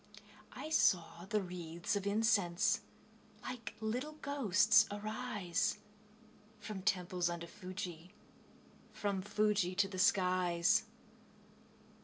I saw the wreathes of incense Like little ghosts arise, From temples under Fuji, From Fuji to the skies.